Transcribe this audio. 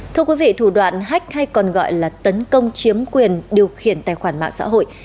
thưa quý vị thủ đoạn hách hay còn gọi là tấn công chiếm quyền điều khiển tài khoản mạng xã hội